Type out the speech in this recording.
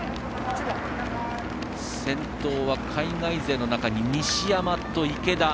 先頭は海外勢の中に西山と池田。